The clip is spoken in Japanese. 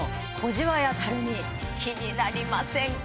気になりませんか？